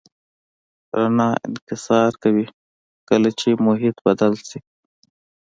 رڼا انکسار کوي کله چې محیط بدل شي.